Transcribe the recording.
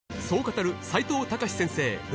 そう語る齋藤孝先生